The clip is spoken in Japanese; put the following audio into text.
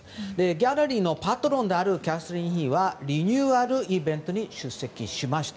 ギャラリーのパトロンであるキャサリン妃はリニューアルイベントに出席しました。